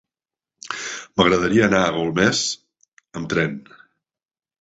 M'agradaria anar a Golmés amb tren.